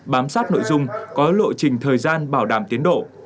bám sát nội dung có lộ trình thời gian bảo đảm tiến độ